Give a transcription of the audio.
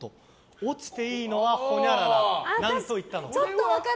落ちていいのはほにゃらら何と言ったでしょうか。